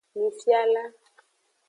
Nufiala.